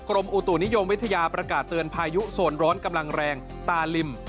กรมอุตุนิยมวิทยาประกาศเตือนพายุส่วนร้อนกำลังแรงตาลิม